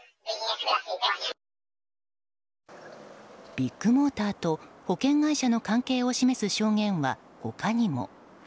ビッグモーターと保険会社の関係を示す証言は、他にも。